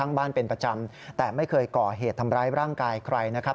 บ้านเป็นประจำแต่ไม่เคยก่อเหตุทำร้ายร่างกายใครนะครับ